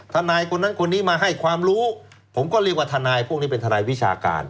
ทนายคนนั้นคนนี้มาให้ความรู้ผมก็เรียกว่าทนายพวกนี้เป็นทนายวิชาการ